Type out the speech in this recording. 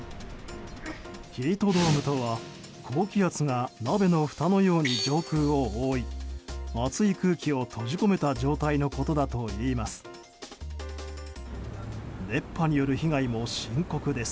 ヒートドームとは高気圧が鍋のふたのように上空を覆い熱い空気を閉じ込めた状態のことだといいます。